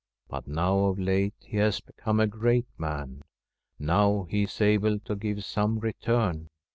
But now of late he has become a great man ; now he is able to give some return.